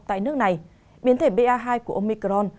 tại nước này biến thể ba hai của omicron